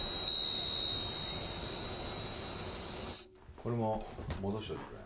これも戻しておいてくれ。